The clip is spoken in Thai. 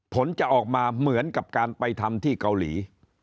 ผลจะออกมาเหมือนกับการไปทำที่เกาหลี